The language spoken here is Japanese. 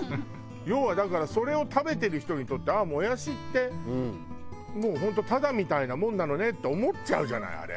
要はだからそれを食べてる人にとってああもやしってもう本当タダみたいなもんなのねって思っちゃうじゃないあれ。